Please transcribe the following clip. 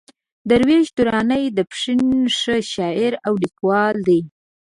درویش درانی د پښين ښه شاعر او ليکوال دئ.